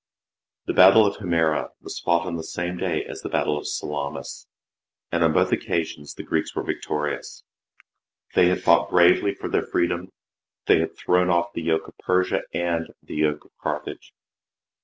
The battle of Himera was fought oil the same day as the battle of Salamis, and on both occasions the Greeks were victorious. They had fought bravely 106 PERICLES AND ATHENS. [B.C. 450 for their freedom, they had thrown off the yoke of Persia and the yoke o? Carthage.